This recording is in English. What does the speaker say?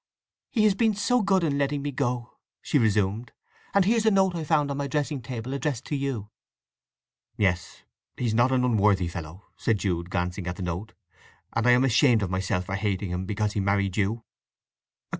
"He has been so good in letting me go," she resumed. "And here's a note I found on my dressing table, addressed to you." "Yes. He's not an unworthy fellow," said Jude, glancing at the note. "And I am ashamed of myself for hating him because he married you."